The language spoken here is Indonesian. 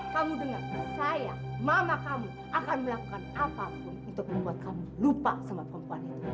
kamu dengar saya mama kamu akan melakukan apapun untuk membuat kamu lupa sama perempuan itu